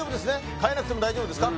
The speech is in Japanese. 変えなくても大丈夫ですか？